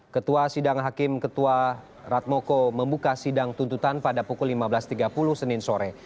ketua sidang hakim ketua ratmoko membuka sidang tuntutan pada pukul lima belas tiga puluh senin sore